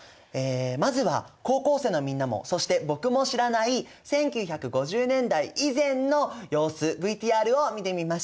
まずは高校生のみんなもそして僕も知らない１９５０年代以前の様子ＶＴＲを見てみましょう！